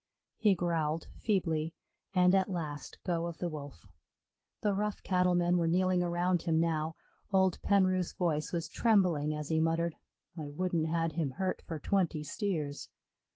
He growled feebly, and at last go of the Wolf. The rough cattle men were kneeling around him now; old Penroof's voice was trembling as he muttered, "I wouldn't had him hurt for twenty steers."